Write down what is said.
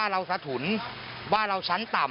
กระทั่งตำรวจก็มาด้วยนะคะ